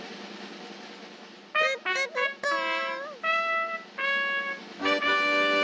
プップププー。